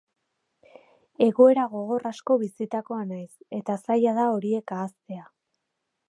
Egoera gogor asko bizitakoa naiz, eta zaila da horiek ahaztea.